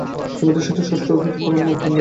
তুমিই তো আমাদের স্রষ্টা ও পিতা, আমাদের পরম বন্ধু।